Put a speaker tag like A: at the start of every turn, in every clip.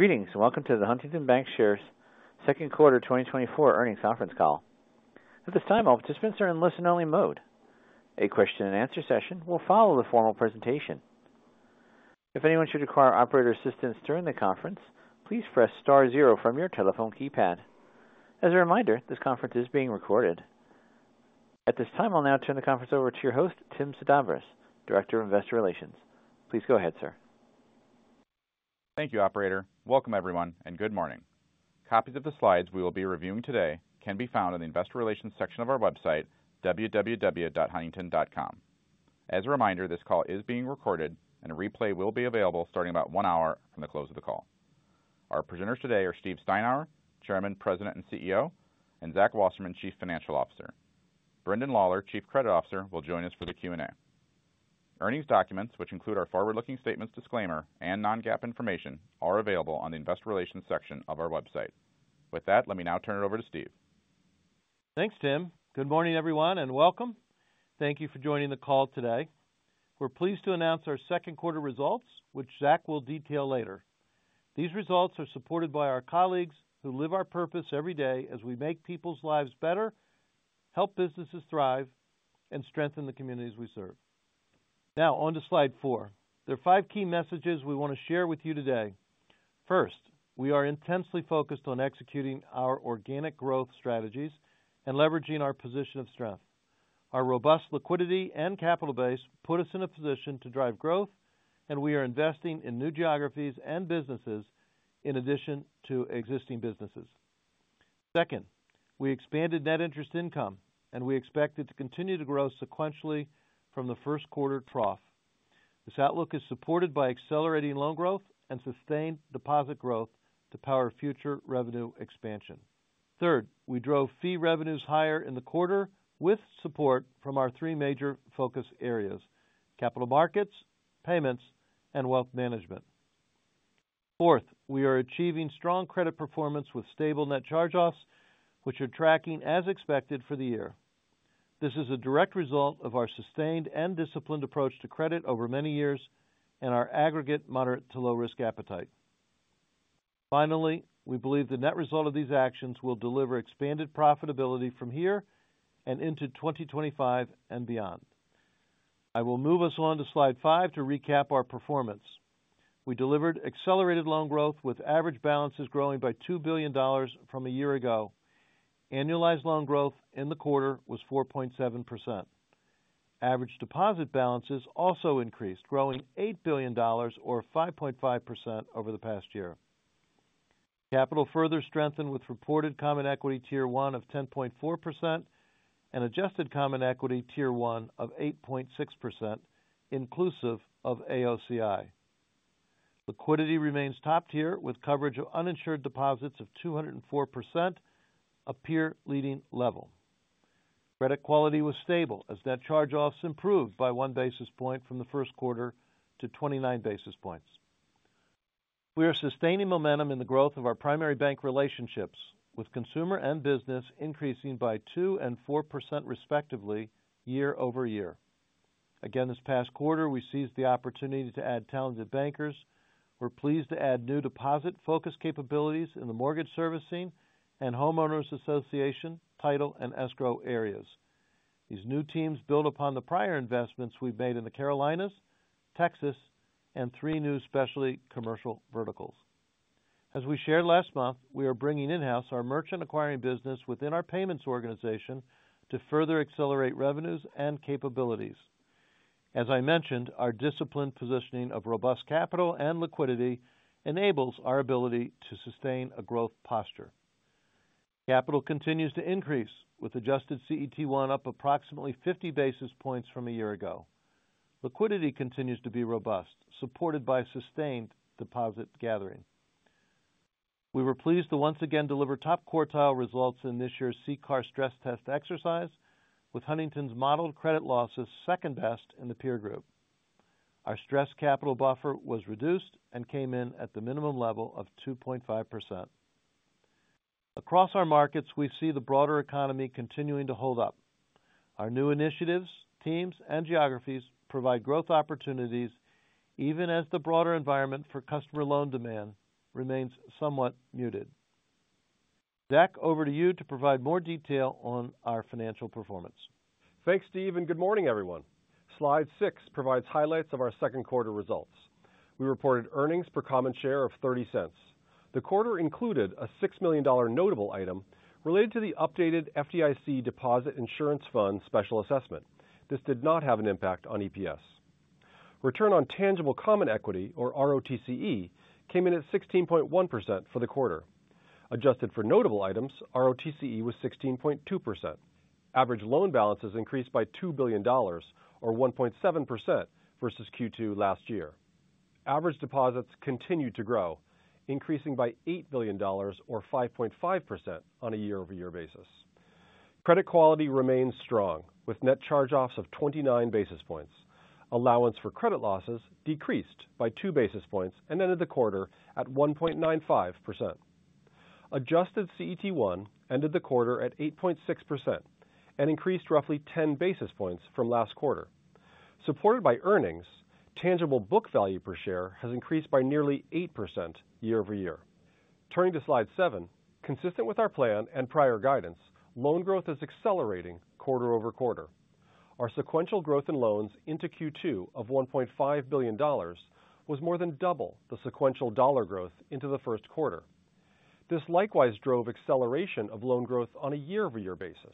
A: Greetings and welcome to the Huntington Bancshares Second Quarter 2024 earnings conference call. At this time, all participants are in listen-only mode. A question-and-answer session will follow the formal presentation. If anyone should require operator assistance during the conference, please press star zero from your telephone keypad. As a reminder, this conference is being recorded. At this time, I'll now turn the conference over to your host, Tim Sedabres, Director of Investor Relations. Please go ahead, sir.
B: Thank you, Operator. Welcome, everyone, and good morning. Copies of the slides we will be reviewing today can be found in the Investor Relations section of our website, www.huntington.com. As a reminder, this call is being recorded, and a replay will be available starting about one hour from the close of the call. Our presenters today are Steve Steinour, Chairman, President, and CEO, and Zach Wasserman, Chief Financial Officer. Brendan Lawler, Chief Credit Officer, will join us for the Q&A. Earnings documents, which include our forward-looking statements disclaimer and non-GAAP information, are available on the Investor Relations section of our website. With that, let me now turn it over to Steve.
C: Thanks, Tim. Good morning, everyone, and welcome. Thank you for joining the call today. We're pleased to announce our second quarter results, which Zach will detail later. These results are supported by our colleagues who live our purpose every day as we make people's lives better, help businesses thrive, and strengthen the communities we serve. Now, on to slide four. There are five key messages we want to share with you today. First, we are intensely focused on executing our organic growth strategies and leveraging our position of strength. Our robust liquidity and capital base put us in a position to drive growth, and we are investing in new geographies and businesses in addition to existing businesses. Second, we expanded net interest income, and we expect it to continue to grow sequentially from the first quarter trough. This outlook is supported by accelerating loan growth and sustained deposit growth to power future revenue expansion. Third, we drove fee revenues higher in the quarter with support from our three major focus areas: Capital Markets, Payments, and Wealth Management. Fourth, we are achieving strong credit performance with stable net charge-offs, which are tracking as expected for the year. This is a direct result of our sustained and disciplined approach to credit over many years and our aggregate moderate to low-risk appetite. Finally, we believe the net result of these actions will deliver expanded profitability from here and into 2025 and beyond. I will move us on to slide five to recap our performance. We delivered accelerated loan growth with average balances growing by $2 billion from a year ago. Annualized loan growth in the quarter was 4.7%. Average deposit balances also increased, growing $8 billion, or 5.5%, over the past year. Capital further strengthened with reported Common Equity Tier 1 of 10.4% and adjusted Common Equity Tier 1 of 8.6%, inclusive of AOCI. Liquidity remains top tier with coverage of uninsured deposits of 204%, a peer-leading level. Credit quality was stable as net charge-offs improved by 1 basis point from the first quarter to 29 basis points. We are sustaining momentum in the growth of our primary bank relationships, with consumer and business increasing by 2% and 4%, respectively, year-over-year. Again, this past quarter, we seized the opportunity to add talented bankers. We're pleased to add new deposit-focused capabilities in the mortgage servicing and homeowners association, title, and escrow areas. These new teams build upon the prior investments we've made in the Carolinas, Texas, and three new specialty commercial verticals. As we shared last month, we are bringing in-house our merchant acquiring business within our payments organization to further accelerate revenues and capabilities. As I mentioned, our disciplined positioning of robust capital and liquidity enables our ability to sustain a growth posture. Capital continues to increase, with adjusted CET1 up approximately 50 basis points from a year ago. Liquidity continues to be robust, supported by sustained deposit gathering. We were pleased to once again deliver top quartile results in this year's CCAR stress test exercise, with Huntington's modeled credit losses second best in the peer group. Our stress capital buffer was reduced and came in at the minimum level of 2.5%. Across our markets, we see the broader economy continuing to hold up. Our new initiatives, teams, and geographies provide growth opportunities even as the broader environment for customer loan demand remains somewhat muted. Zach, over to you to provide more detail on our financial performance.
D: Thanks, Steve, and good morning, everyone. Slide six provides highlights of our second quarter results. We reported earnings per common share of $0.30. The quarter included a $6 million notable item related to the updated FDIC Deposit Insurance Fund special assessment. This did not have an impact on EPS. Return on tangible common equity, or ROTCE, came in at 16.1% for the quarter. Adjusted for notable items, ROTCE was 16.2%. Average loan balances increased by $2 billion, or 1.7%, versus Q2 last year. Average deposits continued to grow, increasing by $8 billion, or 5.5%, on a year-over-year basis. Credit quality remains strong, with net charge-offs of 29 basis points. Allowance for credit losses decreased by 2 basis points and ended the quarter at 1.95%. Adjusted CET1 ended the quarter at 8.6% and increased roughly 10 basis points from last quarter. Supported by earnings, tangible book value per share has increased by nearly 8% year-over-year. Turning to slide seven, consistent with our plan and prior guidance, loan growth is accelerating quarter-over-quarter. Our sequential growth in loans into Q2 of $1.5 billion was more than double the sequential dollar growth into the first quarter. This likewise drove acceleration of loan growth on a year-over-year basis,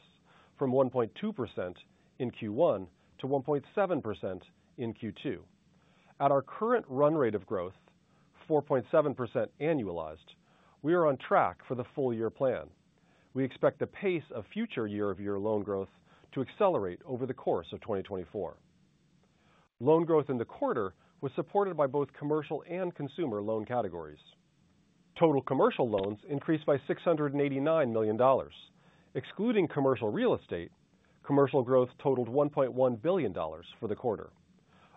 D: from 1.2% in Q1 to 1.7% in Q2. At our current run rate of growth, 4.7% annualized, we are on track for the full year plan. We expect the pace of future year-over-year loan growth to accelerate over the course of 2024. Loan growth in the quarter was supported by both commercial and consumer loan categories. Total commercial loans increased by $689 million. Excluding commercial real estate, commercial growth totaled $1.1 billion for the quarter.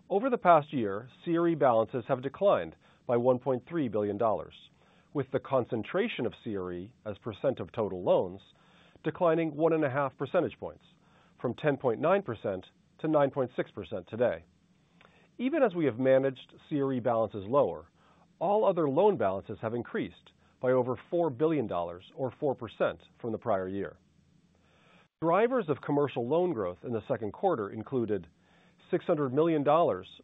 D: Over the past year, CRE balances have declined by $1.3 billion, with the concentration of CRE as percent of total loans declining 1.5 percentage points, from 10.9% to 9.6% today. Even as we have managed CRE balances lower, all other loan balances have increased by over $4 billion, or 4%, from the prior year. Drivers of commercial loan growth in the second quarter included $600 million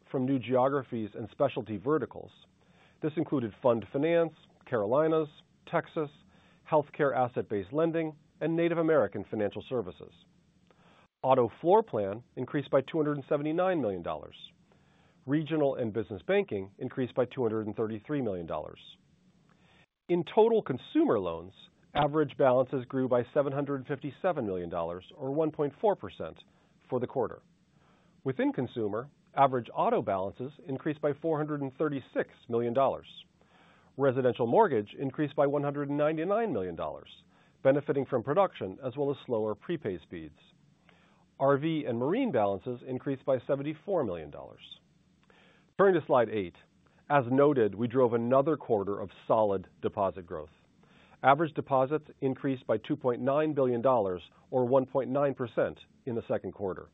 D: from new geographies and specialty verticals. This included Fund Finance, Carolinas, Texas, Healthcare Asset-Based Lending, and Native American Financial Services. Auto Floorplan increased by $279 million. Regional and Business Banking increased by $233 million. In total consumer loans, average balances grew by $757 million, or 1.4%, for the quarter. Within consumer, average auto balances increased by $436 million. Residential Mortgage increased by $199 million, benefiting from production as well as slower prepay speeds. RV and Marine balances increased by $74 million. Turning to slide eight, as noted, we drove another quarter of solid deposit growth. Average deposits increased by $2.9 billion, or 1.9%, in the second quarter.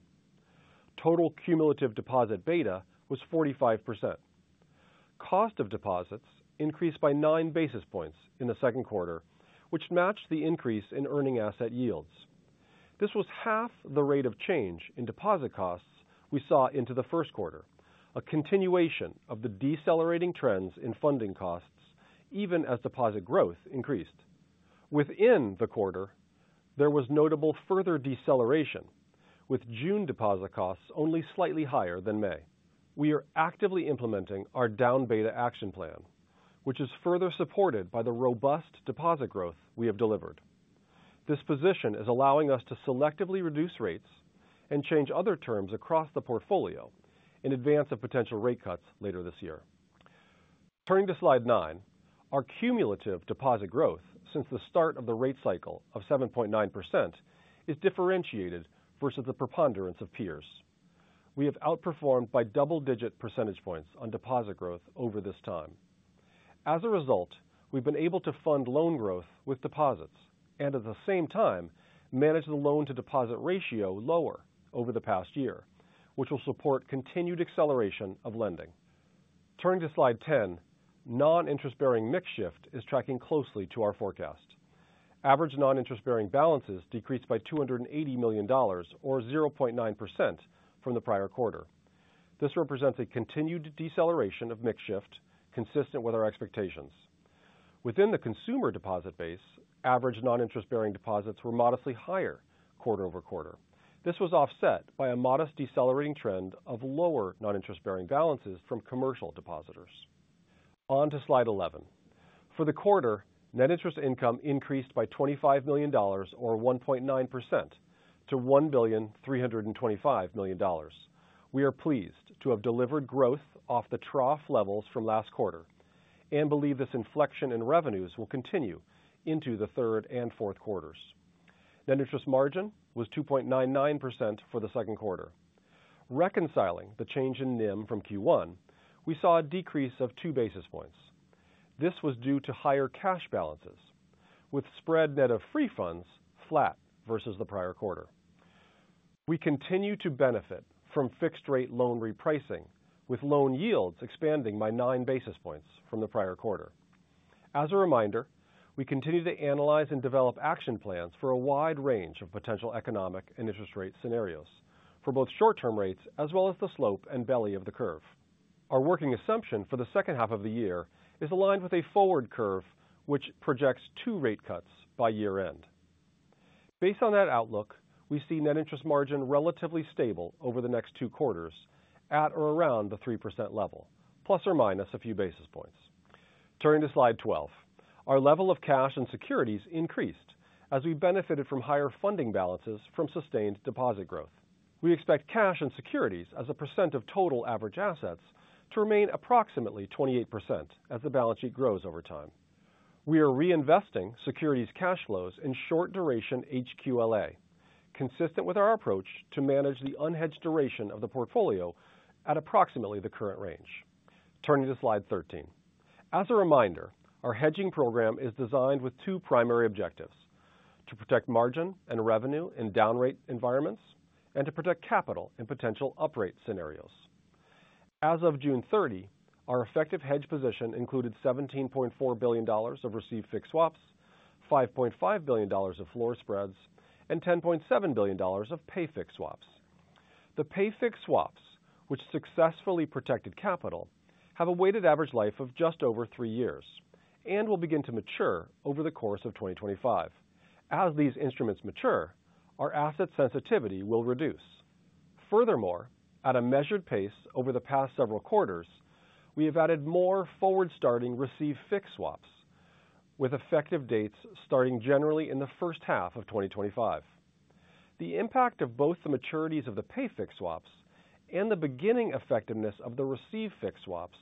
D: Total cumulative deposit beta was 45%. Cost of deposits increased by 9 basis points in the second quarter, which matched the increase in earning asset yields. This was half the rate of change in deposit costs we saw into the first quarter, a continuation of the decelerating trends in funding costs even as deposit growth increased. Within the quarter, there was notable further deceleration, with June deposit costs only slightly higher than May. We are actively implementing our down beta action plan, which is further supported by the robust deposit growth we have delivered. This position is allowing us to selectively reduce rates and change other terms across the portfolio in advance of potential rate cuts later this year. Turning to slide nine, our cumulative deposit growth since the start of the rate cycle of 7.9% is differentiated versus the preponderance of peers. We have outperformed by double-digit percentage points on deposit growth over this time. As a result, we've been able to fund loan growth with deposits and, at the same time, manage the loan-to-deposit ratio lower over the past year, which will support continued acceleration of lending. Turning to slide 10, non-interest-bearing mix shift is tracking closely to our forecast. Average non-interest-bearing balances decreased by $280 million, or 0.9%, from the prior quarter. This represents a continued deceleration of mix shift, consistent with our expectations. Within the consumer deposit base, average non-interest-bearing deposits were modestly higher quarter-over-quarter. This was offset by a modest decelerating trend of lower non-interest-bearing balances from commercial depositors. On to slide 11. For the quarter, net interest income increased by $25 million, or 1.9%, to $1,325 million. We are pleased to have delivered growth off the trough levels from last quarter and believe this inflection in revenues will continue into the third and fourth quarters. Net interest margin was 2.99% for the second quarter. Reconciling the change in NIM from Q1, we saw a decrease of 2 basis points. This was due to higher cash balances, with spread net of free funds flat versus the prior quarter. We continue to benefit from fixed-rate loan repricing, with loan yields expanding by 9 basis points from the prior quarter. As a reminder, we continue to analyze and develop action plans for a wide range of potential economic and interest rate scenarios for both short-term rates as well as the slope and belly of the curve. Our working assumption for the second half of the year is aligned with a forward curve, which projects two rate cuts by year-end. Based on that outlook, we see net interest margin relatively stable over the next two quarters at or around the 3% level, plus or minus a few basis points. Turning to slide 12, our level of cash and securities increased as we benefited from higher funding balances from sustained deposit growth. We expect cash and securities as a percent of total average assets to remain approximately 28% as the balance sheet grows over time. We are reinvesting securities cash flows in short-duration HQLA, consistent with our approach to manage the unhedged duration of the portfolio at approximately the current range. Turning to slide 13. As a reminder, our hedging program is designed with two primary objectives: to protect margin and revenue in down rate environments and to protect capital in potential up rate scenarios. As of June 30, our effective hedge position included $17.4 billion of received fixed swaps, $5.5 billion of floor spreads, and $10.7 billion of pay fixed swaps. The pay fixed swaps, which successfully protected capital, have a weighted average life of just over three years and will begin to mature over the course of 2025. As these instruments mature, our asset sensitivity will reduce. Furthermore, at a measured pace over the past several quarters, we have added more forward-starting receive fixed swaps, with effective dates starting generally in the first half of 2025. The impact of both the maturities of the pay fixed swaps and the beginning effectiveness of the received fixed swaps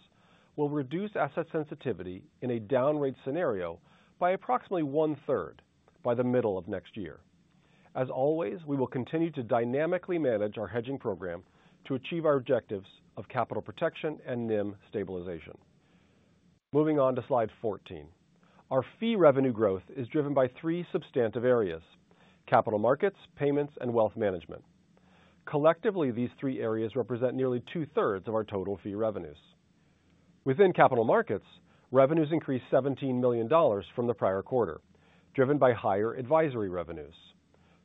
D: will reduce asset sensitivity in a down rate scenario by approximately 1/3 by the middle of next year. As always, we will continue to dynamically manage our hedging program to achieve our objectives of capital protection and NIM stabilization. Moving on to slide 14. Our fee revenue growth is driven by three substantive areas: Capital Markets, Payments, and Wealth Management. Collectively, these three areas represent nearly 2/3 of our total fee revenues. Within Capital Markets, revenues increased $17 million from the prior quarter, driven by higher advisory revenues.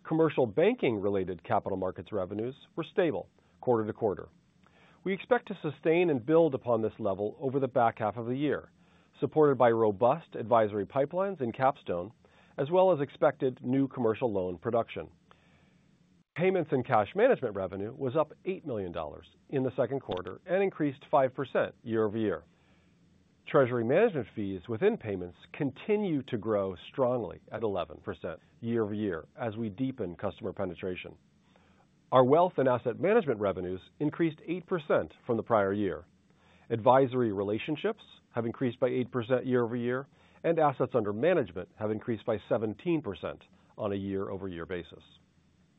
D: Commercial banking-related Capital Markets revenues were stable quarter-over-quarter. We expect to sustain and build upon this level over the back half of the year, supported by robust advisory pipelines in Capstone, as well as expected new commercial loan production. Payments and Cash Management revenue was up $8 million in the second quarter and increased 5% year-over-year. Treasury Management fees within Payments continue to grow strongly at 11% year-over-year as we deepen customer penetration. Our wealth and asset management revenues increased 8% from the prior year. Advisory relationships have increased by 8% year-over-year, and assets under management have increased by 17% on a year-over-year basis.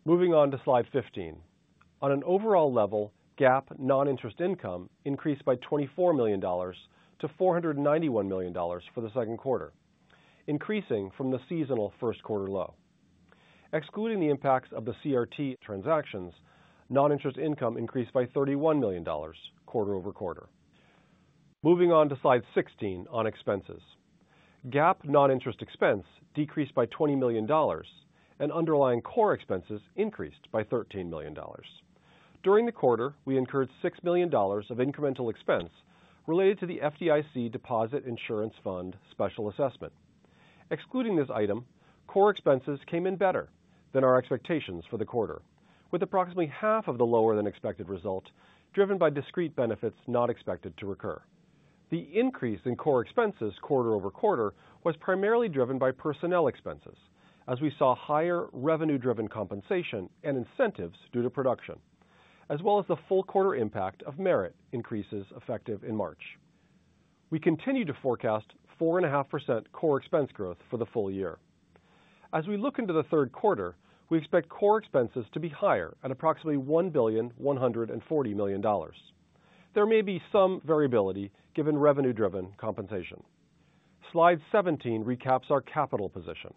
D: Moving on to slide 15. On an overall level, GAAP non-interest income increased by $24 million to $491 million for the second quarter, increasing from the seasonal first quarter low. Excluding the impacts of the CRT transactions, non-interest income increased by $31 million quarter-over-quarter. Moving on to slide 16 on expenses. GAAP non-interest expense decreased by $20 million, and underlying core expenses increased by $13 million. During the quarter, we incurred $6 million of incremental expense related to the FDIC Deposit Insurance Fund Special Assessment. Excluding this item, core expenses came in better than our expectations for the quarter, with approximately half of the lower-than-expected result driven by discrete benefits not expected to recur. The increase in core expenses quarter-over-quarter was primarily driven by personnel expenses, as we saw higher revenue-driven compensation and incentives due to production, as well as the full quarter impact of merit increases effective in March. We continue to forecast 4.5% core expense growth for the full year. As we look into the third quarter, we expect core expenses to be higher at approximately $1,140 million. There may be some variability given revenue-driven compensation. Slide 17 recaps our capital position.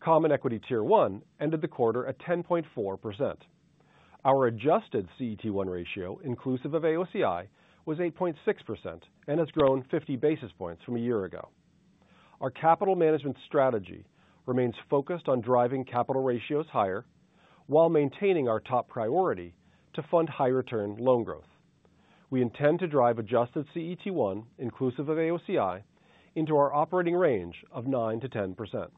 D: Common Equity Tier 1 ended the quarter at 10.4%. Our adjusted CET1 ratio, inclusive of AOCI, was 8.6% and has grown 50 basis points from a year ago. Our capital management strategy remains focused on driving capital ratios higher while maintaining our top priority to fund high-return loan growth. We intend to drive adjusted CET1, inclusive of AOCI, into our operating range of 9%-10%.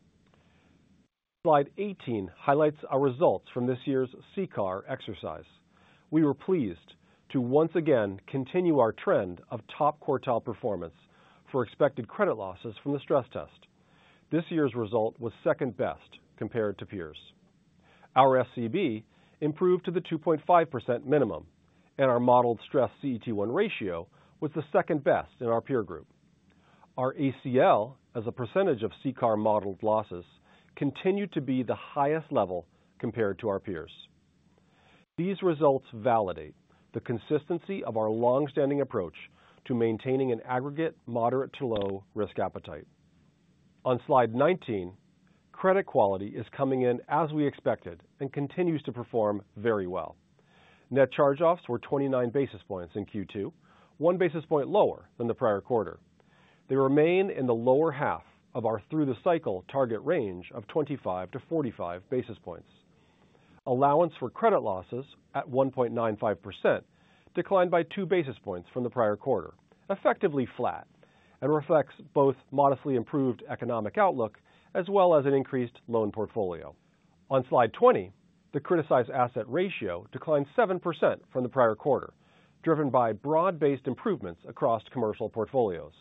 D: Slide 18 highlights our results from this year's CCAR exercise. We were pleased to once again continue our trend of top quartile performance for expected credit losses from the stress test. This year's result was second best compared to peers. Our SCB improved to the 2.5% minimum, and our modeled stress CET1 ratio was the second best in our peer group. Our ACL, as a percentage of CCAR modeled losses, continued to be the highest level compared to our peers. These results validate the consistency of our long-standing approach to maintaining an aggregate moderate-to-low risk appetite. On Slide 19, credit quality is coming in as we expected and continues to perform very well. Net charge-offs were 29 basis points in Q2, one basis point lower than the prior quarter. They remain in the lower half of our through-the-cycle target range of 25 basis points - 45 basis points. Allowance for credit losses at 1.95% declined by 2 basis points from the prior quarter, effectively flat, and reflects both modestly improved economic outlook as well as an increased loan portfolio. On Slide 20, the criticized asset ratio declined 7% from the prior quarter, driven by broad-based improvements across commercial portfolios.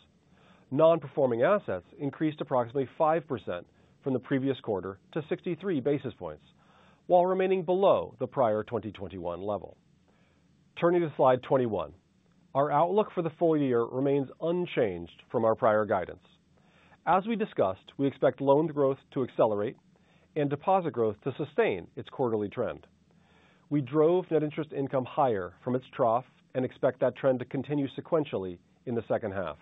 D: Non-performing assets increased approximately 5% from the previous quarter to 63 basis points, while remaining below the prior 2021 level. Turning to slide 21, our outlook for the full year remains unchanged from our prior guidance. As we discussed, we expect loan growth to accelerate and deposit growth to sustain its quarterly trend. We drove net interest income higher from its trough and expect that trend to continue sequentially in the second half.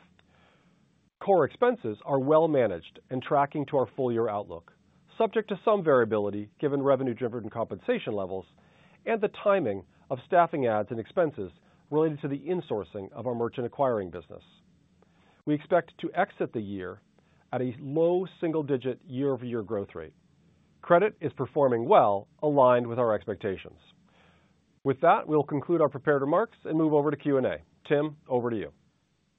D: Core expenses are well managed and tracking to our full year outlook, subject to some variability given revenue-driven compensation levels and the timing of staffing adds and expenses related to the insourcing of our merchant acquiring business. We expect to exit the year at a low single-digit year-over-year growth rate. Credit is performing well, aligned with our expectations. With that, we'll conclude our prepared remarks and move over to Q&A. Tim, over to you.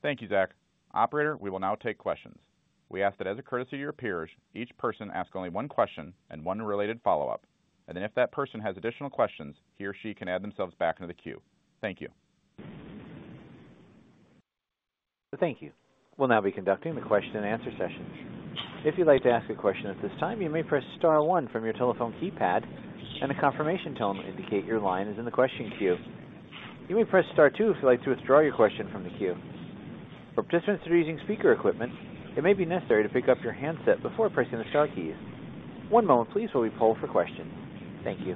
B: Thank you, Zach. Operator, we will now take questions. We ask that as a courtesy to your peers, each person ask only one question and one related follow-up, and then if that person has additional questions, he or she can add themselves back into the queue. Thank you.
A: Thank you. We'll now be conducting the question-and-answer sessions. If you'd like to ask a question at this time, you may press star one from your telephone keypad, and a confirmation tone will indicate your line is in the question queue. You may press star two if you'd like to withdraw your question from the queue. For participants that are using speaker equipment, it may be necessary to pick up your handset before pressing the star keys. One moment, please, while we poll for questions. Thank you.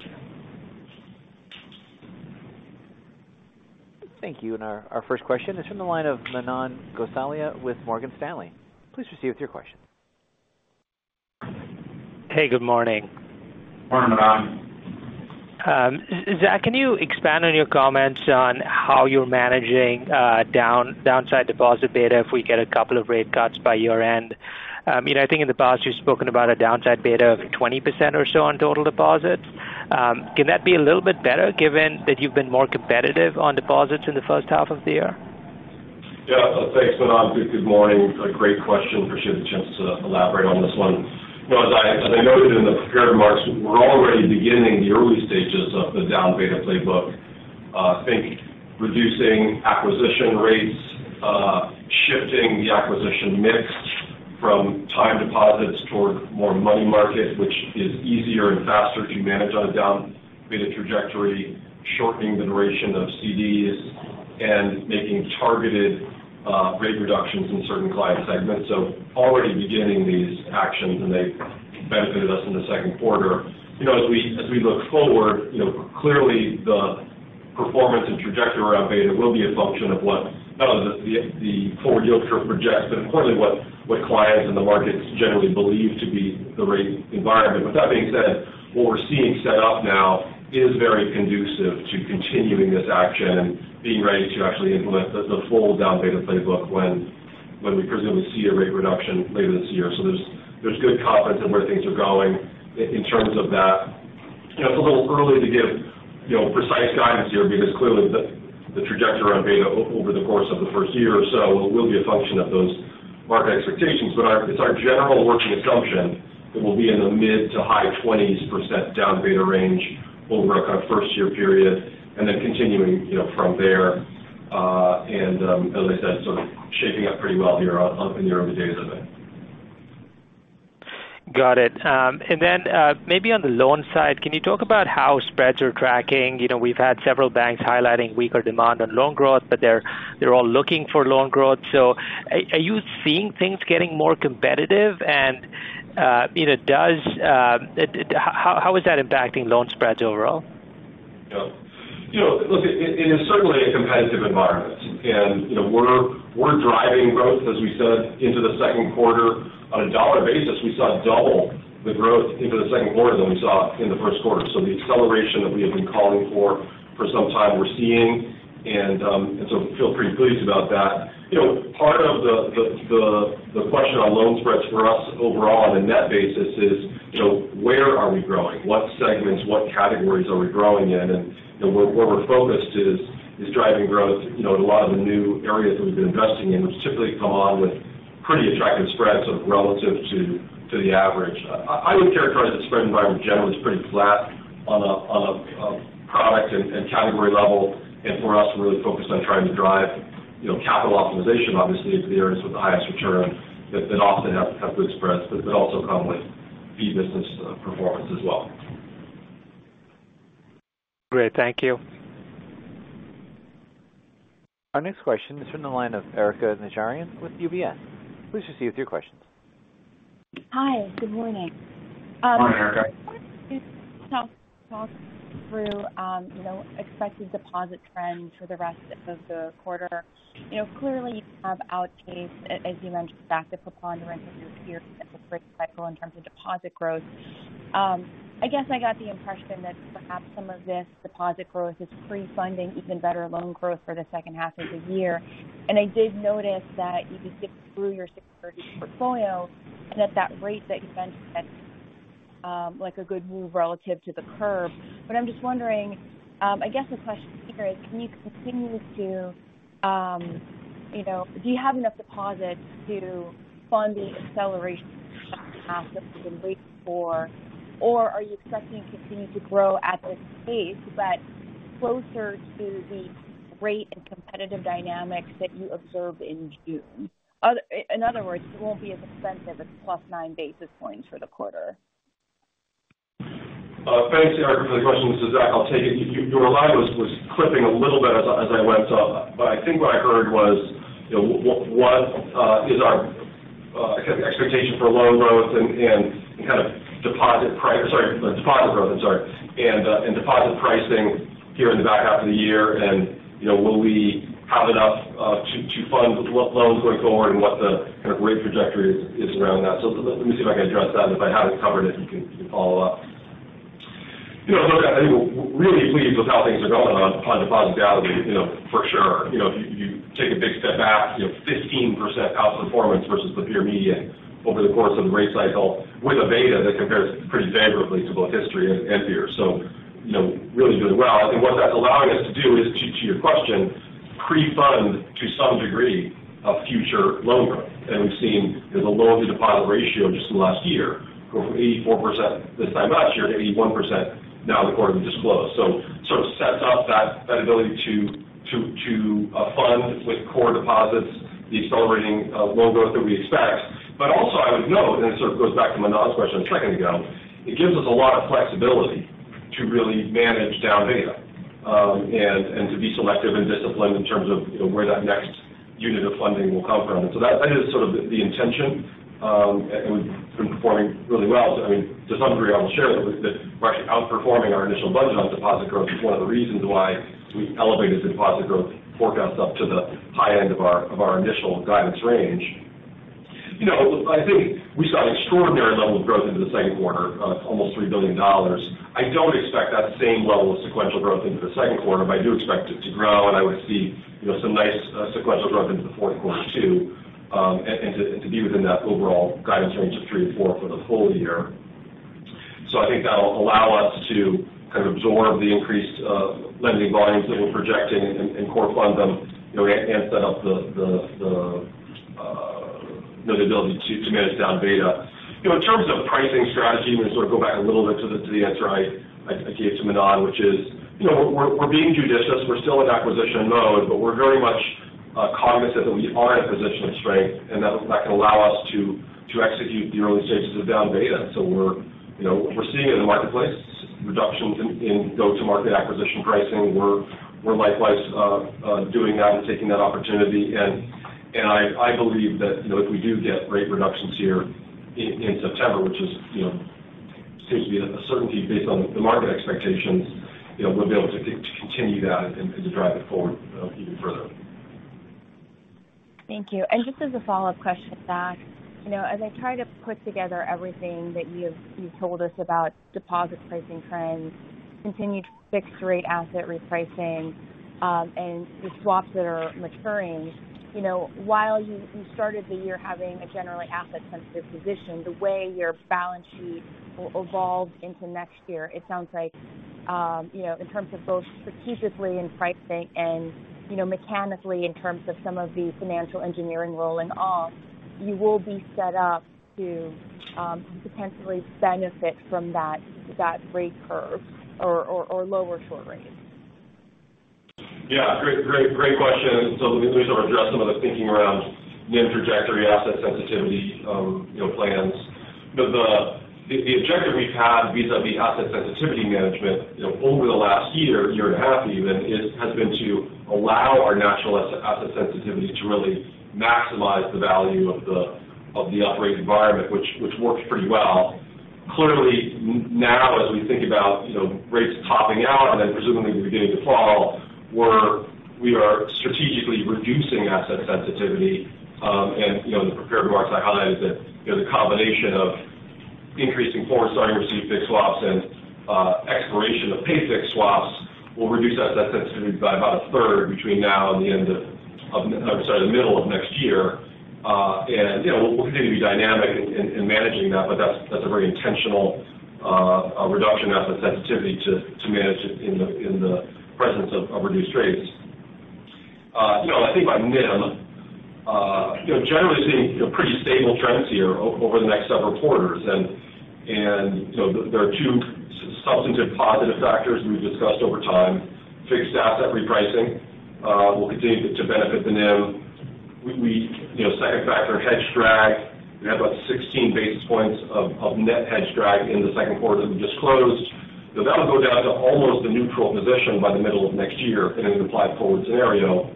A: Thank you. Our first question is from the line of Manan Gosalia with Morgan Stanley. Please proceed with your questions.
E: Hey, good morning.
D: Morning, Manan.
E: Zach, can you expand on your comments on how you're managing downside deposit beta if we get a couple of rate cuts by year-end? I think in the past you've spoken about a downside beta of 20% or so on total deposits. Can that be a little bit better given that you've been more competitive on deposits in the first half of the year?
D: Yeah, thanks, Manan. Good morning. Great question. Appreciate the chance to elaborate on this one. As I noted in the prepared remarks, we're already beginning the early stages of the down beta playbook. I think reducing acquisition rates, shifting the acquisition mix from time deposits toward more money market, which is easier and faster to manage on a down beta trajectory, shortening the duration of CDs, and making targeted rate reductions in certain client segments. Already beginning these actions, and they benefited us in the second quarter. As we look forward, clearly the performance and trajectory around beta will be a function of what the forward yield curve projects, but importantly what clients and the markets generally believe to be the rate environment. With that being said, what we're seeing set up now is very conducive to continuing this action and being ready to actually implement the full down beta playbook when we presumably see a rate reduction later this year. There's good confidence in where things are going in terms of that. It's a little early to give precise guidance here because clearly the trajectory around beta over the course of the first year or so will be a function of those market expectations, but it's our general working assumption that we'll be in the mid to high 20% down beta range over a kind of first-year period and then continuing from there. And as I said, sort of shaping up pretty well here in the early days of it.
E: Got it. And then maybe on the loan side, can you talk about how spreads are tracking? We've had several banks highlighting weaker demand on loan growth, but they're all looking for loan growth. So are you seeing things getting more competitive? And how is that impacting loan spreads overall?
D: Yeah. Look, it is certainly a competitive environment, and we're driving growth, as we said, into the second quarter. On a dollar basis, we saw double the growth into the second quarter than we saw in the first quarter. So the acceleration that we have been calling for for some time we're seeing, and so feel pretty pleased about that. Part of the question on loan spreads for us overall on a net basis is where are we growing? What segments, what categories are we growing in? And where we're focused is driving growth in a lot of the new areas that we've been investing in, which typically come on with pretty attractive spreads relative to the average. I would characterize the spread environment generally as pretty flat on a product and category level, and for us, we're really focused on trying to drive capital optimization, obviously, into the areas with the highest return that often have good spreads, but also come with fee business performance as well.
E: Great. Thank you.
A: Our next question is from the line of Erika Najarian with UBS. Please proceed with your questions.
F: Hi. Good morning.
D: Morning, Erika.
F: I wanted to talk through expected deposit trends for the rest of the quarter. Clearly, you have outpaced, as you mentioned, back to propelling the retail group here into the first cycle in terms of deposit growth. I guess I got the impression that perhaps some of this deposit growth is pre-funding even better loan growth for the second half of the year. I did notice that you skipped through your securities portfolio and that that rate that you mentioned is a good move relative to the curve. But I'm just wondering, I guess the question here is, can you continue to do you have enough deposits to fund the acceleration of the second half that we've been waiting for, or are you expecting it to continue to grow at this pace but closer to the rate and competitive dynamics that you observed in June? In other words, it won't be as expensive at the +9 basis points for the quarter.
D: Thanks, Erika, for the question. This is Zach. I'll take it. Your line was clipping a little bit as I went, but I think what I heard was, what is our expectation for loan growth and kind of deposit sorry, deposit growth, I'm sorry, and deposit pricing here in the back half of the year, and will we have enough to fund loans going forward and what the kind of rate trajectory is around that? So let me see if I can address that, and if I haven't covered it, you can follow up. Look, I think we're really pleased with how things are going on deposit gathering, for sure. If you take a big step back, 15% outperformance versus the peer median over the course of the rate cycle with a beta that compares pretty favorably to both history and peers. So really doing well. I think what that's allowing us to do is, to your question, pre-fund to some degree of future loan growth. And we've seen the loan-to-deposit ratio just in the last year go from 84% this time last year to 81% now in the quarter that just closed. So sort of sets up that ability to fund with core deposits, the accelerating loan growth that we expect. But also, I would note, and it sort of goes back to Manon's question a second ago, it gives us a lot of flexibility to really manage down beta and to be selective and disciplined in terms of where that next unit of funding will come from. And so that is sort of the intention, and we've been performing really well. I mean, to some degree, I will share that we're actually outperforming our initial budget on deposit growth. It's one of the reasons why we elevated the deposit growth forecast up to the high end of our initial guidance range. I think we saw an extraordinary level of growth into the second quarter, almost $3 billion. I don't expect that same level of sequential growth into the second quarter, but I do expect it to grow, and I would see some nice sequential growth into the fourth quarter too and to be within that overall guidance range of 3-4 for the whole year. So I think that'll allow us to kind of absorb the increased lending volumes that we're projecting and core fund them and set up the ability to manage down beta. In terms of pricing strategy, I'm going to sort of go back a little bit to the answer I gave to Manan, which is we're being judicious. We're still in acquisition mode, but we're very much cognizant that we are in a position of strength, and that can allow us to execute the early stages of down beta. So we're seeing it in the marketplace, reduction in go-to-market acquisition pricing. We're likewise doing that and taking that opportunity. And I believe that if we do get rate reductions here in September, which seems to be a certainty based on the market expectations, we'll be able to continue that and to drive it forward even further.
F: Thank you. And just as a follow-up question, Zach, as I try to put together everything that you've told us about deposit pricing trends, continued fixed-rate asset repricing, and the swaps that are maturing, while you started the year having a generally asset-sensitive position, the way your balance sheet will evolve into next year, it sounds like in terms of both strategically and pricing and mechanically in terms of some of the financial engineering rolling off, you will be set up to potentially benefit from that rate curve or lower short rates.
D: Yeah. Great question. So let me sort of address some of the thinking around NIM trajectory, asset sensitivity plans. The objective we've had vis-à-vis asset sensitivity management over the last year, year and a half even, has been to allow our natural asset sensitivity to really maximize the value of the up-rate environment, which worked pretty well. Clearly, now as we think about rates topping out and then presumably the beginning of fall, we are strategically reducing asset sensitivity. And the prepared remarks I highlighted that the combination of increasing forward starting receive fixed swaps and expiration of pay fixed swaps will reduce asset sensitivity by about a third between now and the end of, sorry, the middle of next year. And we'll continue to be dynamic in managing that, but that's a very intentional reduction in asset sensitivity to manage it in the presence of reduced rates. I think on NIM, generally seeing pretty stable trends here over the next several quarters. There are two substantive positive factors we've discussed over time. Fixed asset repricing will continue to benefit the NIM. Second factor, hedge drag. We had about 16 basis points of net hedge drag in the second quarter that we just closed. That'll go down to almost a neutral position by the middle of next year in an implied forward scenario.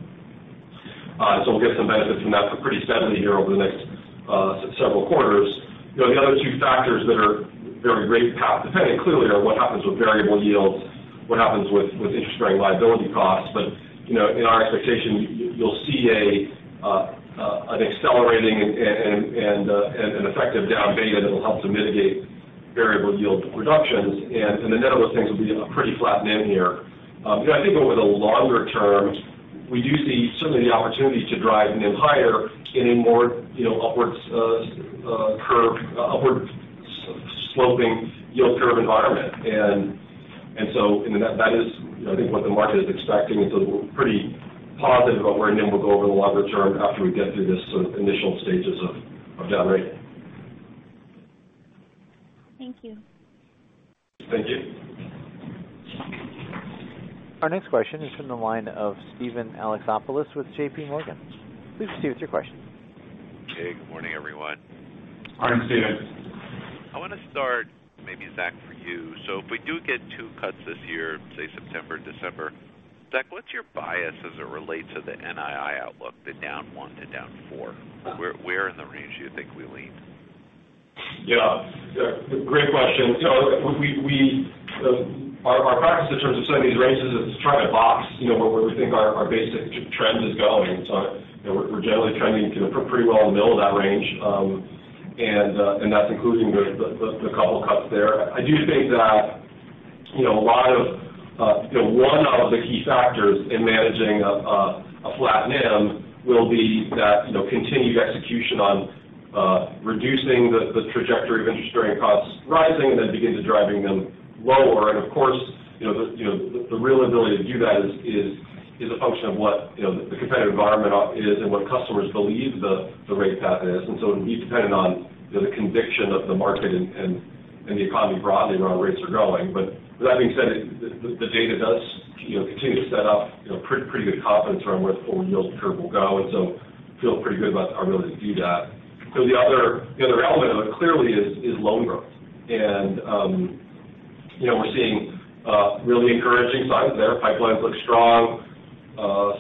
D: We'll get some benefits from that pretty steadily here over the next several quarters. The other two factors that are very rate path dependent clearly are what happens with variable yields, what happens with interest-bearing liability costs. In our expectation, you'll see an accelerating and effective down beta that'll help to mitigate variable yield reductions. The net of those things will be a pretty flat NIM here. I think over the longer term, we do see certainly the opportunity to drive NIM higher in a more upward sloping yield curve environment. And so that is, I think, what the market is expecting. And so we're pretty positive about where NIM will go over the longer term after we get through this sort of initial stages of down rating.
F: Thank you.
D: Thank you.
A: Our next question is from the line of Steven Alexopoulos with JPMorgan. Please proceed with your question.
G: Hey. Good morning, everyone.
D: Morning, Steven.
G: I want to start maybe, Zach, for you. So if we do get two cuts this year, say September, December, Zach, what's your bias as it relates to the NII outlook, the down one to down four? Where in the range do you think we lean?
D: Yeah. Great question. Our practice in terms of setting these rates is to try to box where we think our basic trend is going. So we're generally trending pretty well in the middle of that range, and that's including the couple cuts there. I do think that a lot of one of the key factors in managing a flat NIM will be that continued execution on reducing the trajectory of interest-bearing costs rising and then begin to driving them lower. And of course, the real ability to do that is a function of what the competitive environment is and what customers believe the rate path is. And so it'll be dependent on the conviction of the market and the economy broadly where our rates are going. But with that being said, the data does continue to set up pretty good confidence around where the forward yield curve will go. So I feel pretty good about our ability to do that. The other element of it clearly is loan growth. We're seeing really encouraging signs there. Pipelines look strong.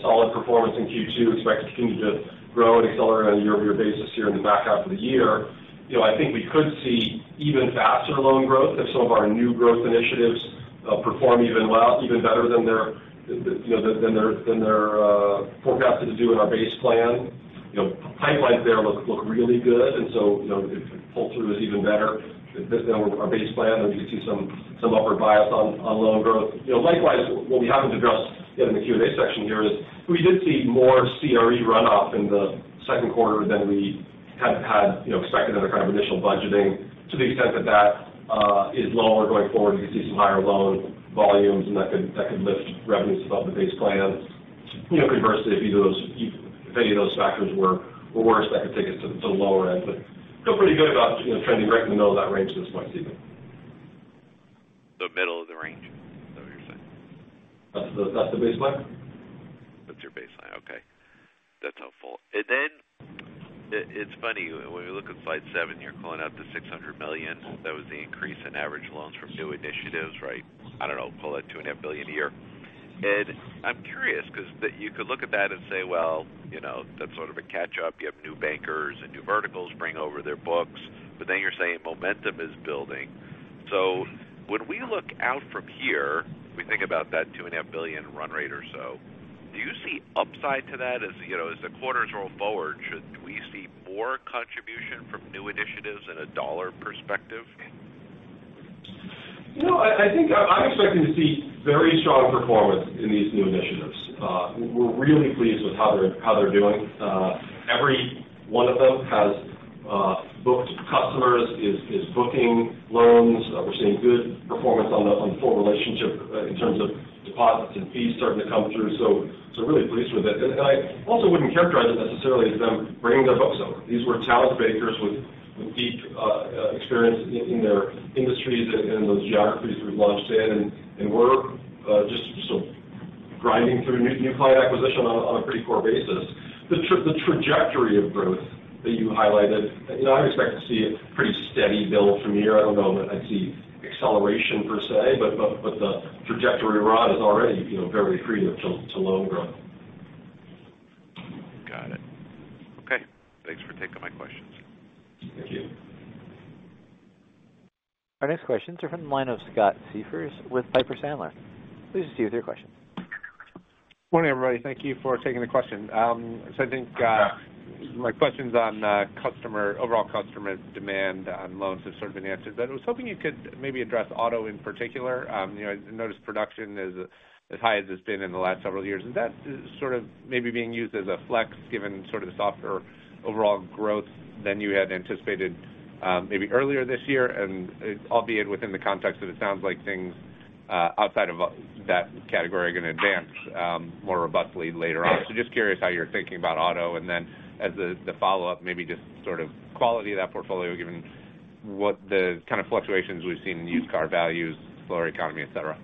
D: Solid performance in Q2. Expect to continue to grow and accelerate on a year-over-year basis here in the back half of the year. I think we could see even faster loan growth if some of our new growth initiatives perform even better than they're forecasted to do in our base plan. Pipelines there look really good. If pull-through is even better than our base plan, then we could see some upward bias on loan growth. Likewise, what we haven't addressed yet in the Q&A section here is we did see more CRE runoff in the second quarter than we had expected in our kind of initial budgeting to the extent that that is lower going forward. You can see some higher loan volumes, and that could lift revenues above the base plan. Conversely, if any of those factors were worse, that could take us to the lower end. But feel pretty good about trending right in the middle of that range at this point, Steven.
G: The middle of the range, is that what you're saying?
D: That's the baseline.
G: That's your baseline. Okay. That's helpful. And then it's funny. When we look at slide seven, you're calling out the $600 million. That was the increase in average loans from new initiatives, right? I don't know. Call that $2.5 billion a year. And I'm curious because you could look at that and say, "Well, that's sort of a catch-up. You have new bankers and new verticals bring over their books." But then you're saying momentum is building. So when we look out from here, we think about that $2.5 billion run rate or so. Do you see upside to that as the quarters roll forward? Should we see more contribution from new initiatives in a dollar perspective?
D: No, I think I'm expecting to see very strong performance in these new initiatives. We're really pleased with how they're doing. Every one of them has booked customers, is booking loans. We're seeing good performance on the full relationship in terms of deposits and fees starting to come through. So we're really pleased with it. And I also wouldn't characterize it necessarily as them bringing their books over. These were talented bankers with deep experience in their industries and in those geographies we've launched in. And we're just grinding through new client acquisition on a pretty core basis. The trajectory of growth that you highlighted, I expect to see a pretty steady build from here. I don't know that I'd see acceleration per se, but the trajectory right is already very accretive to loan growth.
G: Got it. Okay. Thanks for taking my questions.
D: Thank you.
A: Our next questions are from the line of Scott Siefers with Piper Sandler. Please proceed with your question. Morning, everybody. Thank you for taking the question. So I think my questions on overall customer demand on loans have sort of been answered. But I was hoping you could maybe address auto in particular. I noticed production is as high as it's been in the last several years. Is that sort of maybe being used as a flex given sort of the softer overall growth than you had anticipated maybe earlier this year, and albeit within the context that it sounds like things outside of that category are going to advance more robustly later on? So just curious how you're thinking about auto. And then as the follow-up, maybe just sort of quality of that portfolio given the kind of fluctuations we've seen in used car values, slower economy, etc.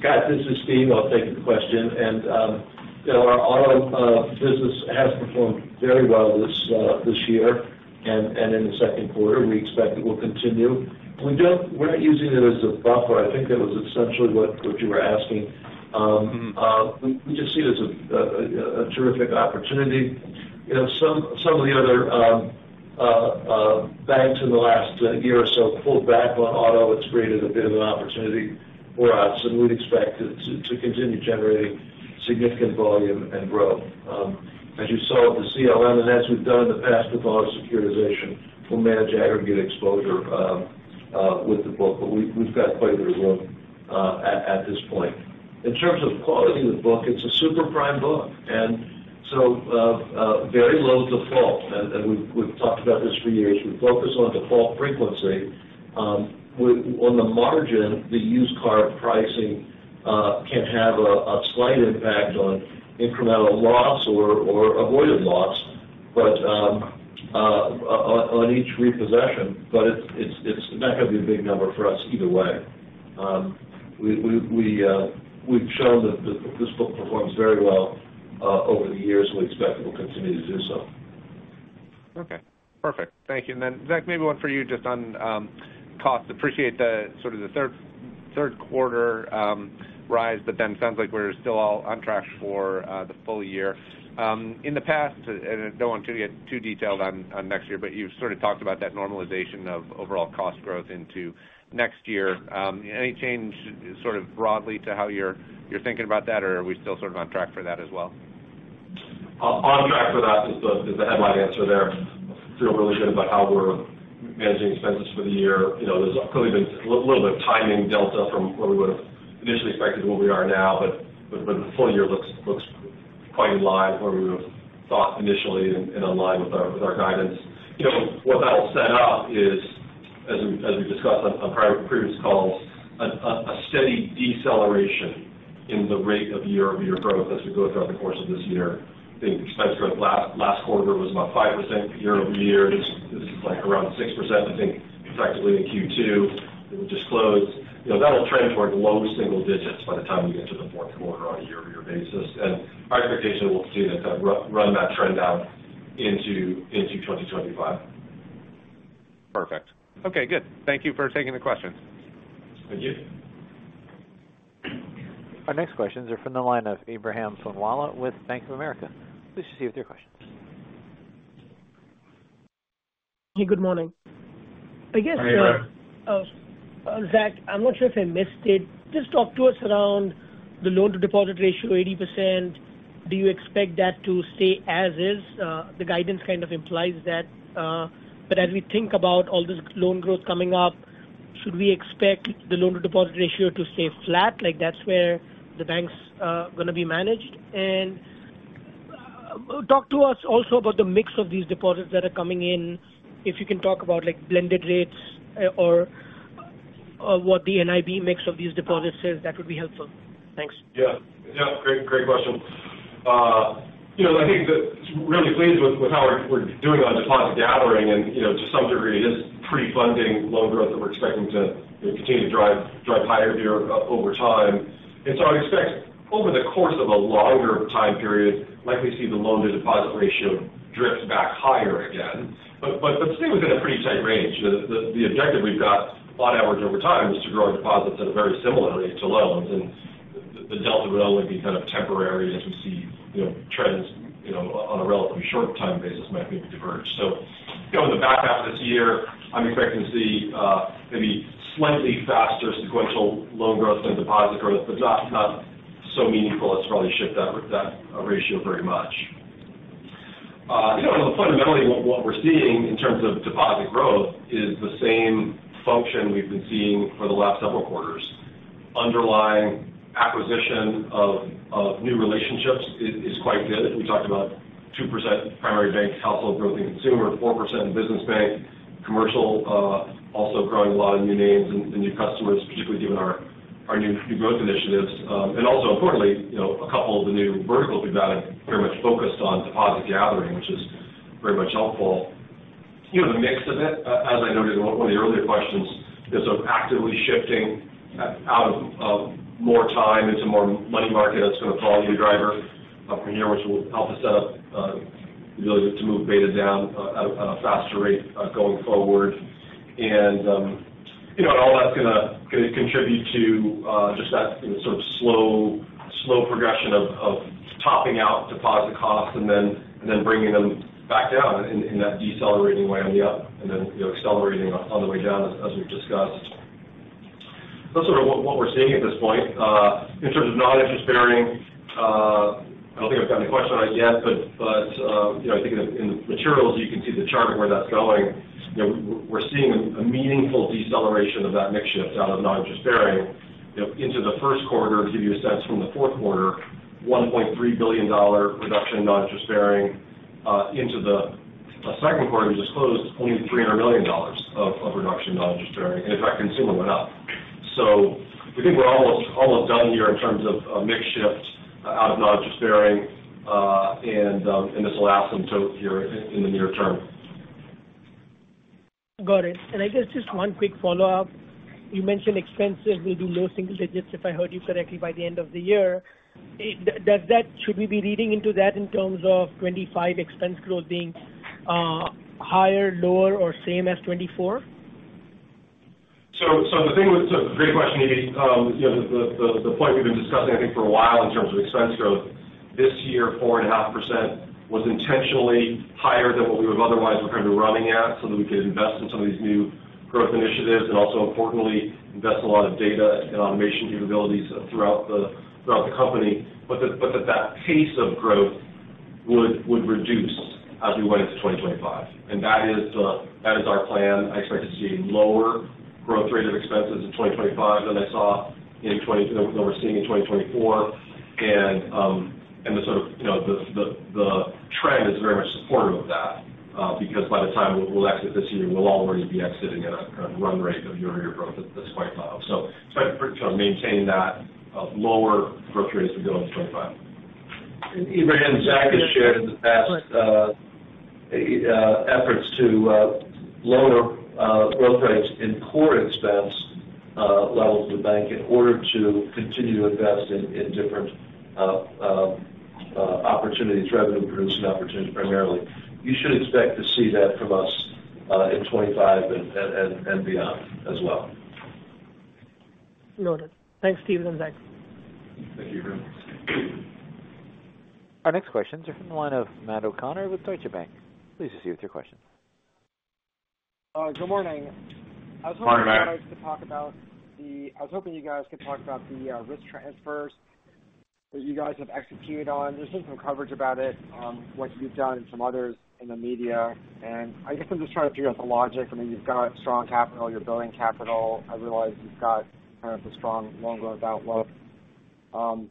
C: Scott, this is Steve. I'll take the question. And our auto business has performed very well this year, and in the second quarter, we expect it will continue. We're not using it as a buffer. I think that was essentially what you were asking. We just see it as a terrific opportunity. Some of the other banks in the last year or so pulled back on auto. It's created a bit of an opportunity for us, and we'd expect to continue generating significant volume and growth. As you saw with the CLN, and as we've done in the past with auto securitization, we'll manage aggregate exposure with the book, but we've got quite a bit of room at this point. In terms of quality of the book, it's a super prime book, and so very low default. And we've talked about this for years. We focus on default frequency. On the margin, the used car pricing can have a slight impact on incremental loss or avoided loss on each repossession. But it's not going to be a big number for us either way. We've shown that this book performs very well over the years, and we expect it will continue to do so.
H: Okay. Perfect. Thank you. And then, Zach, maybe one for you just on cost. Appreciate sort of the third quarter rise, but then it sounds like we're still all on track for the full year. In the past, and I don't want to get too detailed on next year, but you've sort of talked about that normalization of overall cost growth into next year. Any change sort of broadly to how you're thinking about that, or are we still sort of on track for that as well?
D: On track for that is the headline answer there. I feel really good about how we're managing expenses for the year. There's clearly been a little bit of timing delta from where we would have initially expected where we are now, but the full year looks quite in line with where we would have thought initially and in line with our guidance. What that'll set up is, as we've discussed on previous calls, a steady deceleration in the rate of year-over-year growth as we go throughout the course of this year. I think expense growth last quarter was about 5% year-over-year. This is around 6%, I think, effectively in Q2. It will just close. That'll trend toward low single digits by the time we get to the fourth quarter on a year-over-year basis. And our expectation will continue to kind of run that trend down into 2025.
H: Perfect. Okay. Good. Thank you for taking the questions.
D: Thank you.
A: Our next questions are from the line of Ebrahim Poonawala with Bank of America. Please proceed with your questions.
I: Hey. Good morning. I guess.
D: Hi there.
I: Zach, I'm not sure if I missed it. Just talk to us around the loan-to-deposit ratio, 80%. Do you expect that to stay as is? The guidance kind of implies that. But as we think about all this loan growth coming up, should we expect the loan-to-deposit ratio to stay flat? That's where the bank's going to be managed. And talk to us also about the mix of these deposits that are coming in. If you can talk about blended rates or what the NIM mix of these deposits is, that would be helpful. Thanks.
D: Yeah. Yeah. Great question. I think that we're really pleased with how we're doing on deposit gathering. And to some degree, it is pre-funding loan growth that we're expecting to continue to drive higher here over time. And so I expect over the course of a longer time period, likely see the loan-to-deposit ratio drift back higher again, but stay within a pretty tight range. The objective we've got on average over time is to grow our deposits at a very similar rate to loans. The delta would only be kind of temporary as we see trends on a relatively short time basis might maybe diverge. In the back half of this year, I'm expecting to see maybe slightly faster sequential loan growth than deposit growth, but not so meaningful as to probably shift that ratio very much. Fundamentally, what we're seeing in terms of deposit growth is the same function we've been seeing for the last several quarters. Underlying acquisition of new relationships is quite good. We talked about 2% primary bank household growth and consumer, 4% business bank, commercial also growing a lot of new names and new customers, particularly given our new growth initiatives. And also importantly, a couple of the new verticals we've added very much focused on deposit gathering, which is very much helpful. The mix of it, as I noted in one of the earlier questions, is sort of actively shifting out of more time into more money market. That's going to follow the driver from here, which will help us set up the ability to move beta down at a faster rate going forward. And all that's going to contribute to just that sort of slow progression of topping out deposit costs and then bringing them back down in that decelerating way on the up and then accelerating on the way down as we've discussed. That's sort of what we're seeing at this point. In terms of non-interest bearing, I don't think I've gotten the question on it yet, but I think in the materials, you can see the chart of where that's going. We're seeing a meaningful deceleration of that mix shift out of non-interest bearing into the first quarter to give you a sense from the fourth quarter, $1.3 billion reduction in non-interest bearing into the second quarter, which is closed, only $300 million of reduction in non-interest bearing. And in fact, consumer went up. So we think we're almost done here in terms of a mix shift out of non-interest bearing, and this will add some tail here in the near term.
I: Got it. And I guess just one quick follow-up. You mentioned expenses will do low single digits, if I heard you correctly, by the end of the year. Should we be leading into that in terms of 2025 expense growth being higher, lower, or same as 2024?
D: So the thing with the great question is the point we've been discussing, I think, for a while in terms of expense growth. This year, 4.5% was intentionally higher than what we would have otherwise been running at so that we could invest in some of these new growth initiatives and also, importantly, invest a lot of data and automation capabilities throughout the company. But that pace of growth would reduce as we went into 2025. And that is our plan. I expect to see a lower growth rate of expenses in 2025 than we're seeing in 2024. The sort of the trend is very much supportive of that because by the time we'll exit this year, we'll already be exiting at a kind of run rate of year-over-year growth that's quite low. So trying to maintain that lower growth rate as we go into 2025.
C: Ebrahim, Zach has shared in the past efforts to lower growth rates in core expense levels of the bank in order to continue to invest in different opportunities, revenue-producing opportunities primarily. You should expect to see that from us in 2025 and beyond as well.
I: Noted. Thanks, Steve and Zach.
D: Thank you, Ebrahim.
A: Our next questions are from the line of Matt O'Connor with Deutsche Bank. Please proceed with your questions.
J: Good morning. I was hoping you guys could talk about the risk transfers that you guys have executed on. There's been some coverage about it, what you've done and some others in the media. I guess I'm just trying to figure out the logic. I mean, you've got strong capital, you're building capital. I realize you've got kind of the strong loan growth outlook.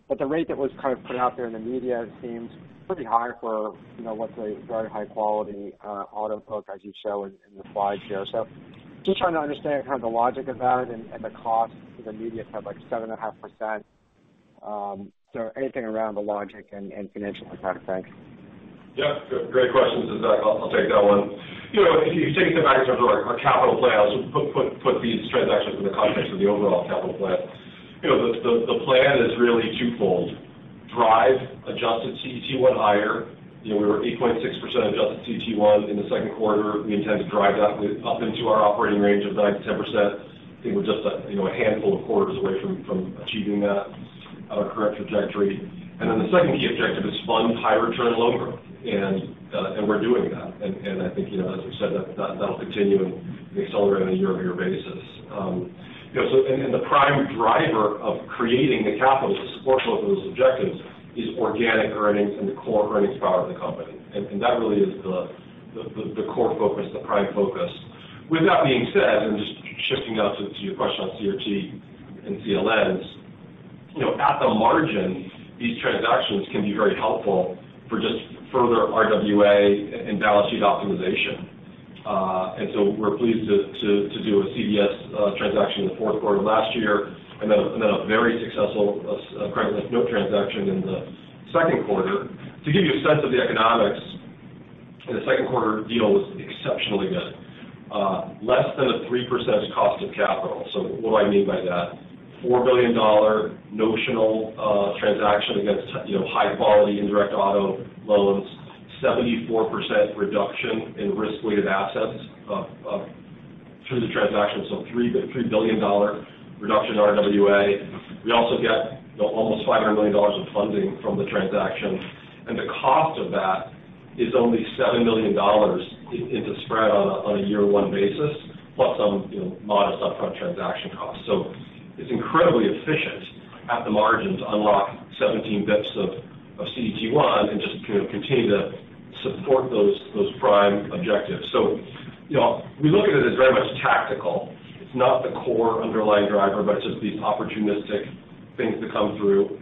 J: But the rate that was kind of put out there in the media seems pretty high for, let's say, very high-quality auto books, as you show in the slides here. So just trying to understand kind of the logic of that and the cost. The media said like 7.5%. So anything around the logic and financial impact, I think.
D: Yeah. Great questions, its Zach. I'll take that one. If you take it back in terms of our capital plan, put these transactions in the context of the overall capital plan, the plan is really twofold: drive adjusted CET1 higher. We were 8.6% adjusted CET1 in the second quarter. We intend to drive that up into our operating range of 9%-10%. I think we're just a handful of quarters away from achieving that on our current trajectory. Then the second key objective is fund high return loan growth. We're doing that. I think, as we said, that'll continue and accelerate on a year-over-year basis. The prime driver of creating the capital to support both of those objectives is organic earnings and the core earnings power of the company. That really is the core focus, the prime focus. With that being said, and just shifting now to your question on CRT and CLNs, at the margin, these transactions can be very helpful for just further RWA and balance sheet optimization. We're pleased to do a CLN transaction in the fourth quarter of last year and then a very successful credit-linked note transaction in the second quarter. To give you a sense of the economics, the second quarter deal was exceptionally good. Less than a 3% cost of capital. So what do I mean by that? $4 billion notional transaction against high-quality indirect auto loans, 74% reduction in risk-weighted assets through the transaction, so $3 billion reduction in RWA. We also get almost $500 million in funding from the transaction. And the cost of that is only $7 million into spread on a year one basis, plus some modest upfront transaction costs. So it's incredibly efficient at the margin to unlock 17 basis points of CET1 and just continue to support those prime objectives. So we look at it as very much tactical. It's not the core underlying driver, but it's just these opportunistic things that come through.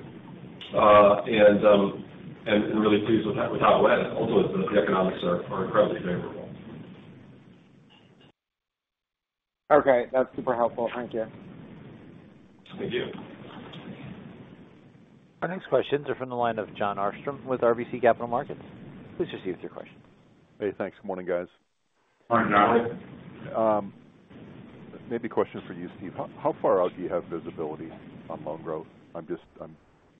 D: And I'm really pleased with how it went. Ultimately, the economics are incredibly favorable.
J: Okay. That's super helpful. Thank you.
D: Thank you.
A: Our next questions are from the line of Jon Arfstrom with RBC Capital Markets. Please proceed with your questions.
K: Hey. Thanks. Morning, guys.
D: Morning, Jon.
K: Maybe a question for you, Steve. How far out do you have visibility on loan growth? I'm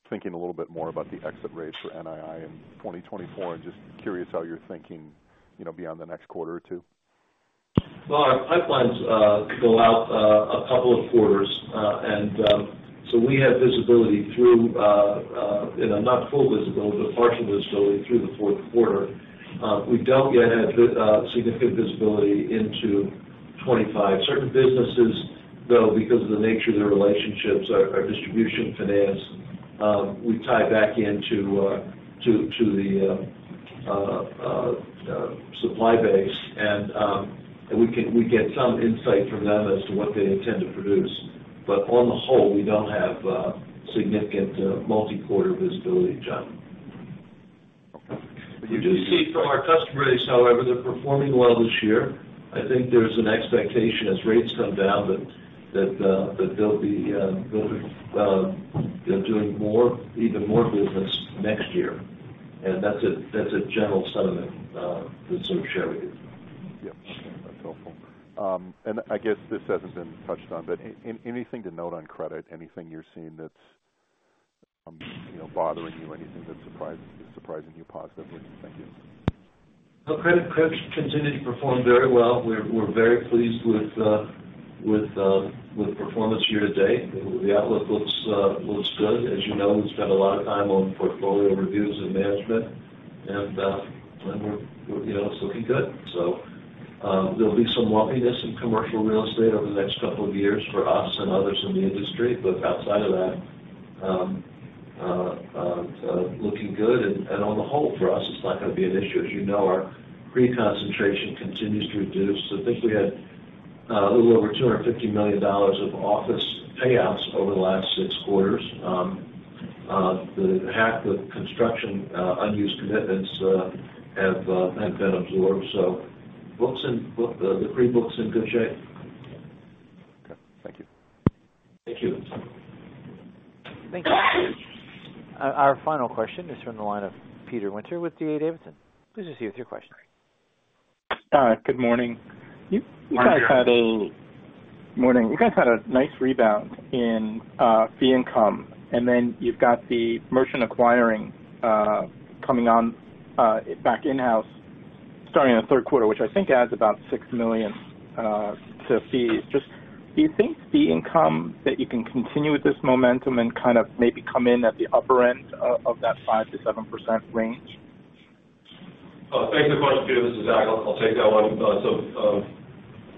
K: thinking a little bit more about the exit rate for NII in 2024 and just curious how you're thinking beyond the next quarter or two.
C: Well, I plan to go out a couple of quarters. And so we have visibility through not full visibility, but partial visibility through the fourth quarter. We don't yet have significant visibility into 2025. Certain businesses, though, because of the nature of their relationships, our Distribution Finance, we tie back into the supply base. And we get some insight from them as to what they intend to produce. But on the whole, we don't have significant multi-quarter visibility, Jon. We do see from our customer base, however, they're performing well this year. I think there's an expectation as rates come down that they'll be doing even more business next year. And that's a general sentiment to sort of share with you.
K: Yep. Okay. That's helpful. And I guess this hasn't been touched on, but anything to note on credit? Anything you're seeing that's bothering you? Anything that's surprising you positively? Thank you.
C: Credit continues to perform very well. We're very pleased with performance year to date. The outlook looks good. As you know, we spent a lot of time on portfolio reviews and management. It's looking good. There'll be some lumpiness in commercial real estate over the next couple of years for us and others in the industry. But outside of that, looking good. On the whole, for us, it's not going to be an issue. As you know, our CRE concentration continues to reduce. I think we had a little over $250 million of office payoffs over the last six quarters. The half of construction unused commitments have been absorbed. So the CRE book's in good shape.
K: Okay. Thank you.
C: Thank you.
A: Thank you. Our final question is from the line of Peter Winter with D.A. Davidson. Please proceed with your question.
L: Good morning. You guys had a nice rebound in fee income. And then you've got the merchant acquiring coming back in-house starting in the third quarter, which I think adds about $6 million to fees. Just, do you think fee income that you can continue with this momentum and kind of maybe come in at the upper end of that 5%-7% range?
D: Thanks for the question, Peter. This is Zach. I'll take that one. So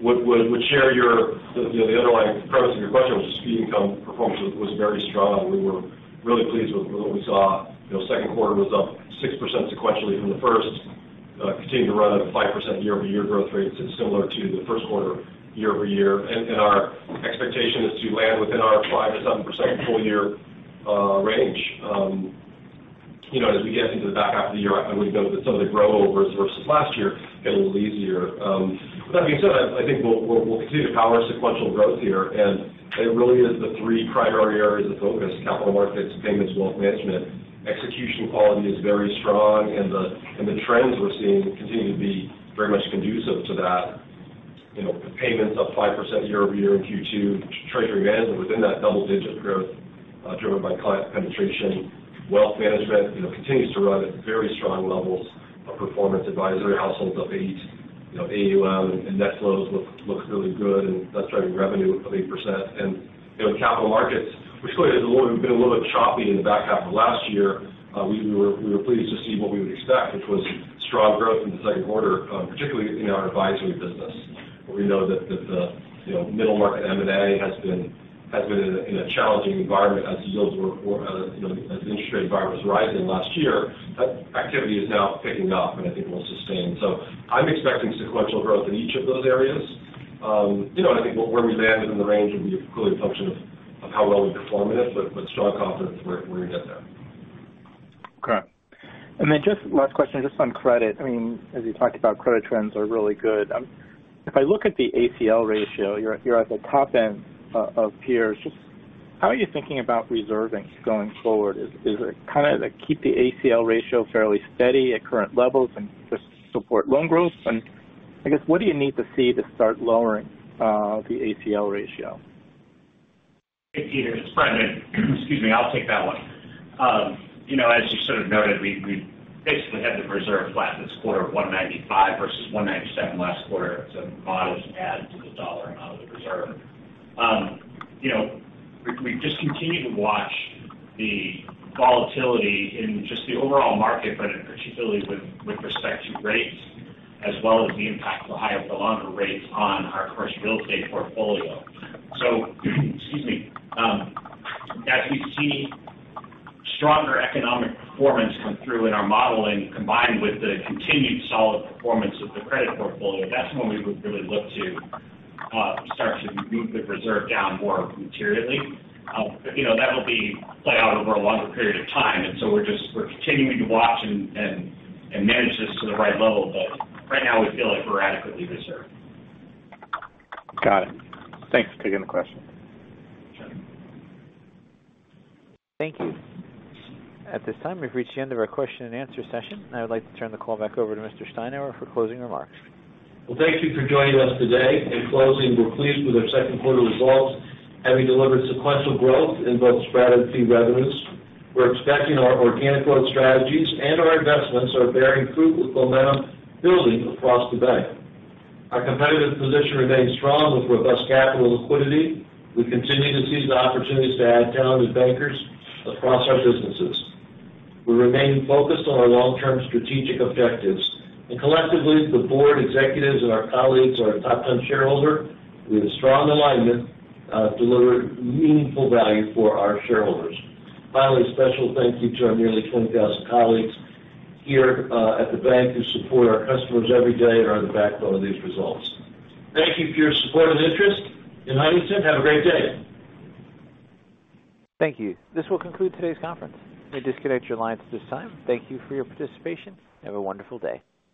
D: I would share the underlying premise of your question, which is fee income performance was very strong. We were really pleased with what we saw. Second quarter was up 6% sequentially from the first, continued to run at a 5% year-over-year growth rate, similar to the first quarter year-over-year. Our expectation is to land within our 5%-7% full-year range. As we get into the back half of the year, I would note that some of the growovers versus last year get a little easier. With that being said, I think we'll continue to power sequential growth here. It really is the three primary areas of focus: Capital Markets, Payments, Wealth Management. Execution quality is very strong. The trends we're seeing continue to be very much conducive to that. Payments up 5% year-over-year in Q2. Treasury Management within that double-digit growth driven by client penetration. Wealth Management continues to run at very strong levels of performance. Advisory households up 8%. AUM and net flows look really good. That's driving revenue of 8%. The Capital Markets, which clearly has been a little bit choppy in the back half of last year, we were pleased to see what we would expect, which was strong growth in the second quarter, particularly in our advisory business. We know that the middle market M&A has been in a challenging environment as yields were as the interest rate environment was rising last year. That activity is now picking up and I think will sustain. So I'm expecting sequential growth in each of those areas. And I think where we land within the range will be clearly a function of how well we perform in it. But strong confidence we're going to get there.
L: Okay. And then just last question, just on credit. I mean, as you talked about, credit trends are really good. If I look at the ACL ratio, you're at the top end of peers. Just how are you thinking about reserving going forward? Is it kind of keep the ACL ratio fairly steady at current levels and just support loan growth? And I guess, what do you need to see to start lowering the ACL ratio?
C: Peter, its Steve. Excuse me. I'll take that one. As you sort of noted, we basically had the reserve flat this quarter of 1.95% versus 1.97% last quarter. It's a modest add to the dollar amount of the reserve. We've just continued to watch the volatility in just the overall market, but particularly with respect to rates, as well as the impact of the higher for longer rates on our commercial real estate portfolio. So excuse me. As we see stronger economic performance come through in our modeling, combined with the continued solid performance of the credit portfolio, that's when we would really look to start to move the reserve down more materially. But that'll play out over a longer period of time. And so we're continuing to watch and manage this to the right level. But right now, we feel like we're adequately reserved.
L: Got it. Thanks for taking the question.
C: Sure.
A: Thank you. At this time, we've reached the end of our question and answer session. I would like to turn the call back over to Mr. Steinour for closing remarks.
C: Well, thank you for joining us today. In closing, we're pleased with our second quarter results, having delivered sequential growth in both spread and fee revenues. We're expecting our organic growth strategies and our investments are bearing fruit with momentum building across the bank. Our competitive position remains strong with robust capital liquidity. We continue to seize the opportunities to add talented bankers across our businesses. We remain focused on our long-term strategic objectives. Collectively, the board, executives, and our colleagues are a top-tier shareholder with strong alignment, delivering meaningful value for our shareholders. Finally, a special thank you to our nearly 20,000 colleagues here at the bank who support our customers every day and are in the backbone of these results. Thank you for your support and interest. In Huntington, have a great day.
A: Thank you. This will conclude today's conference. We disconnect your lines at this time. Thank you for your participation. Have a wonderful day.